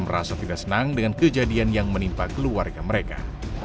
merasa tidak senang dengan kejadian yang menimpa keluarga mereka